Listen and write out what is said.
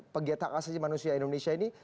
pegiat hak asasi manusia indonesia ini